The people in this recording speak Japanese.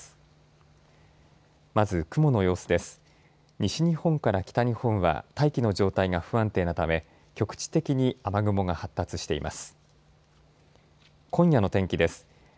西日本から北日本は大気の状態が不安定なため局地的に雨雲が発達しています。